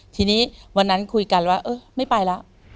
ทีนี้วันนั้นคุยกันว่าเออไม่ไปแล้ว